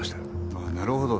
ああなるほど。